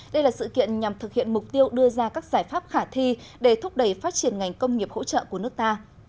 đây là sự kiện nhằm thực hiện mục tiêu đưa ra các giải pháp khả thi để thúc đẩy phát triển ngành công nghiệp hỗ trợ của nước ta